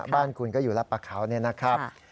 บ้านคุณก็อยู่รับประเขาเนี่ยนะครับ